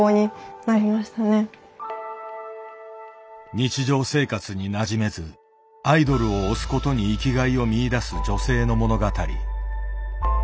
日常生活になじめずアイドルを推すことに生きがいを見いだす女性の物語。